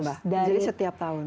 jadi setiap tahun